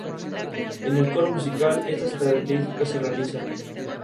En el coro musical, estas características se realzan.